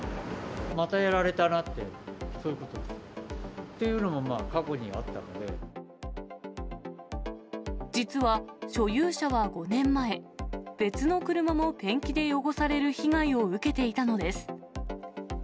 またやられたなって、っていうのも、実は、所有者は５年前、別の車もペンキで汚される被害を受けていたのです。